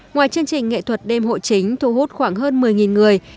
ngoài chương trình nghệ thuật đêm hội chính thu hút khoảng hơn một mươi người